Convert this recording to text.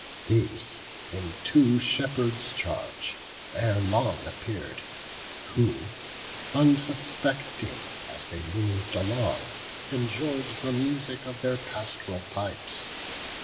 These, in two shepherds' charge, ere long appear'd, Who, unsuspecting as they mov'd along, Enjoy'd the music of their past'ral pipes.